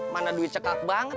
mana duit cekak banget